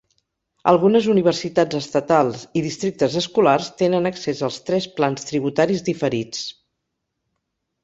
Algunes universitats estatals i districtes escolars tenen accés als tres plans tributaris diferits.